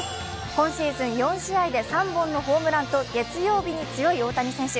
今シーズン４試合で３本のホームランと月曜日に強い大谷選手。